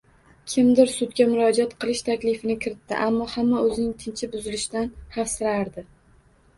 Kimdir sudga murojaat qilish taklifini kiritdi, ammo hamma o`zining tinchi buzilishidan xavfsirardi